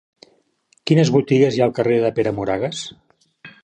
Quines botigues hi ha al carrer de Pere Moragues?